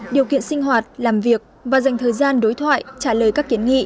điều kiện sinh hoạt làm việc và dành thời gian đối thoại trả lời các kiến nghị